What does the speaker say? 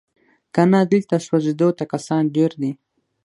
کنه دلته سوځېدو ته کسان ډیر دي